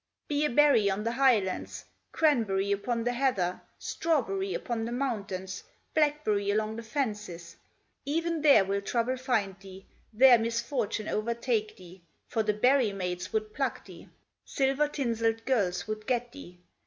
Be a berry on the highlands, Cranberry upon the heather, Strawberry upon the mountains, Blackberry along the fences? Even there will trouble find thee, There misfortune overtake thee, For the berry maids would pluck thee, Silver tinselled girls would get thee.